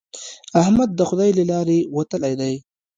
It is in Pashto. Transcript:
احمد د خدای له لارې وتلی دی.